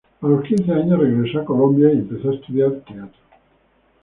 A los quince años regresó a Colombia y empezó a estudiar teatro.